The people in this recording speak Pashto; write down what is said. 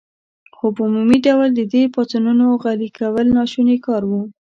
خو په عمومي ډول د دې پاڅونونو غلي کول ناشوني کار و.